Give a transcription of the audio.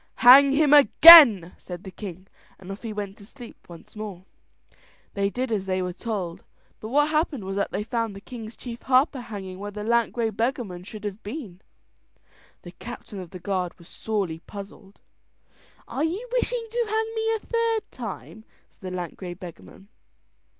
"Hang him again," said the king, and off he went to sleep once more. They did as they were told, but what happened was that they found the king's chief harper hanging where the lank grey beggarman should have been. The captain of the guard was sorely puzzled. "Are you wishful to hang me a third time?" said the lank grey beggarman.